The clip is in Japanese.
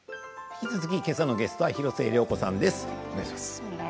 引き続き、けさのゲストは広末涼子さんです。